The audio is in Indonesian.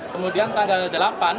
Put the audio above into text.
kemudian tanggal delapan